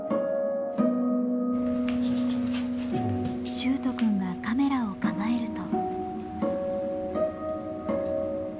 秀斗くんがカメラを構えると。